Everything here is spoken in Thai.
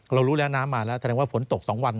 รู้แล้วน้ำมาแล้วแสดงว่าฝนตก๒วัน